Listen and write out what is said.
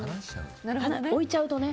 置いちゃうとね。